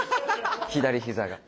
左膝が。